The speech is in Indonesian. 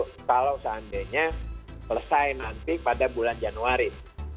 kalau seandainya selesai nanti pada bulan januari